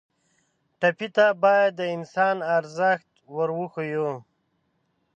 ټپي ته باید د انسان ارزښت ور وښیو.